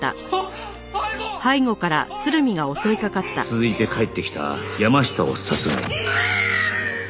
続いて帰ってきた山下を殺害